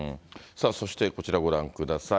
そしてこちらご覧ください。